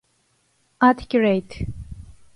Articulate.